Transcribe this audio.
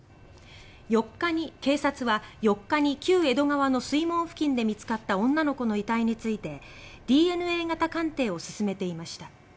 警察は、４日に旧江戸川の水門付近で見つかった女の子の遺体についてＤＮＡ型鑑定を進めていました。